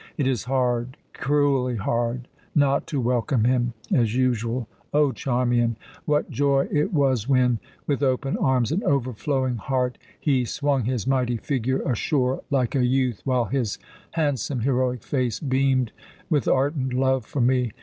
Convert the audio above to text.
It is hard, cruelly hard, not to welcome him as usual. O, Charmian, what joy it was when, with open arms and overflowing heart, he swung his mighty figure ashore like a youth, while his handsome, heroic face beamed with ardent love for me!